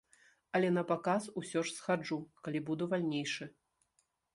Але на паказ ўсё ж схаджу, калі буду вальнейшы.